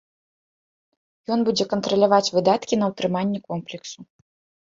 Ён будзе кантраляваць выдаткі на ўтрыманне комплексу.